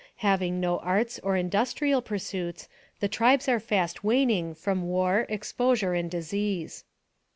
Having no arts or in dustrial pursuits, the tribes are fast waning from war, exposure, and disease.